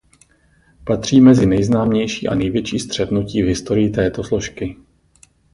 Patří mezi nejznámější a největší střetnutí v historii této složky.